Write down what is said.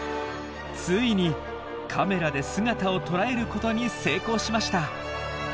ついにカメラで姿をとらえることに成功しました。